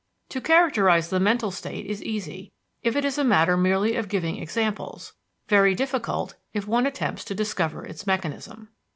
To characterize the mental state is easy, if it is a matter merely of giving examples; very difficult, if one attempts to discover its mechanism.